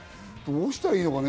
どうしたらいいかな？